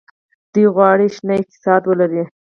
دوی غواړي شنه اقتصاد ولري.